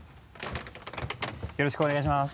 よろしくお願いします。